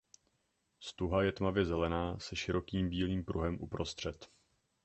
Stuha je tmavě zelená se širokým bílým pruhem uprostřed.